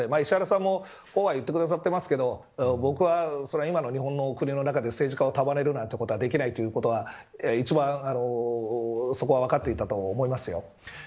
石原さんも、こうは言ってくださっていますけど僕は日本の国の中で政治家を束ねることなんてできないということは一番、そこは分かっていたと思いますよ。